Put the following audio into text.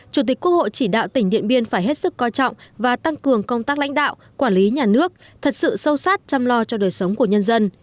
chủ tịch quốc hội chỉ đạo tỉnh điện biên phải hết sức coi trọng và tăng cường công tác lãnh đạo quản lý nhà nước thật sự sâu sát chăm lo cho đời sống của nhân dân